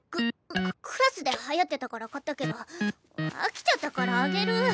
クククラスではやってたから買ったけど飽きちゃったからあげる。